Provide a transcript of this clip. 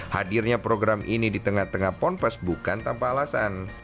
hadirnya program ini di tengah tengah ponpes bukan tanpa alasan